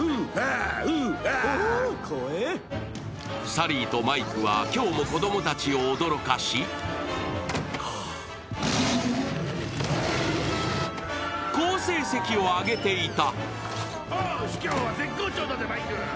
サリーとマイクは今日も子供たちを驚かし好成績を上げていた。